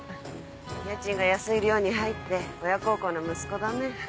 家賃が安い寮に入って親孝行な息子だね。